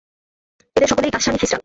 এদের সকলেই গাসসানী খ্রিষ্টান।